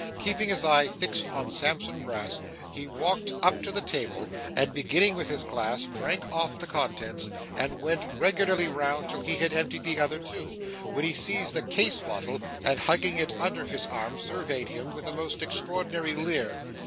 Keeping his eye fixed on Sampson Brass, he walked up to the table, and beginning with his glass, drank off the contents, and went regularly round until he had emptied the other two, when he seized the case bottle, and hugging it under his arm, surveyed him with a most extraordinary leer.